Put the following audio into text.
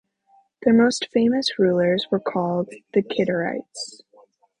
Their most famous rulers were called the Kidarites.